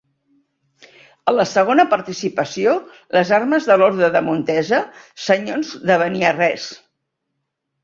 A la segona partició, les armes de l'Orde de Montesa, senyors de Beniarrés.